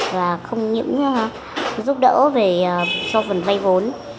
và không những giúp đỡ về cho phần vay vốn